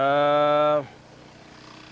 kelengkapan destinasi untuk satu pulau kecil